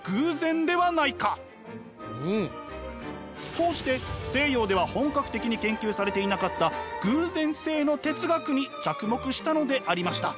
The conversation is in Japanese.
こうして西洋では本格的に研究されていなかった偶然性の哲学に着目したのでありました。